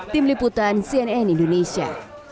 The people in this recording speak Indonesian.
tim liputan cnn indonesia